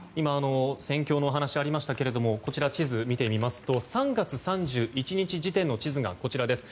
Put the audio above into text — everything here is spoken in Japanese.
戦況のお話がありましたが地図を見てみますと３月３１日時点の地図が左です。